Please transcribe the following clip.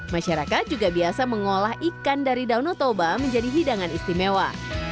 masyarakat juga biasa mengolah ikan dari danau toba menjadi hidangan istimewa